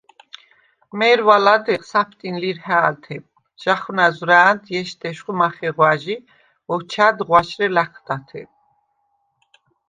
მე̄რვა ლადეღ საფტინ ლირჰა̄̈ლთე ჟ’ა̈ხვნა̈ზვრა̄̈ნდ ჲეშდეშხუ მახეღვა̈ჟ ი ოჩა̈დდ ღვაშრე ლა̈ჴდათე.